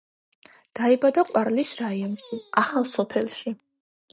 დაიბადა ყვარლის რაიონში, ახალსოფელში.